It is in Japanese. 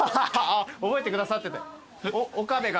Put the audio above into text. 覚えてくださってて。